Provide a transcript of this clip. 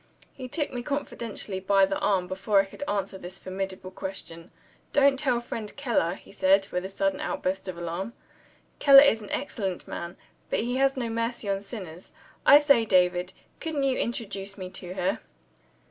He took me confidentially by the arm, before I could answer this formidable question. "Don't tell friend Keller!" he said, with a sudden outburst of alarm. "Keller is an excellent man, but he has no mercy on sinners. I say, David! couldn't you introduce me to her?"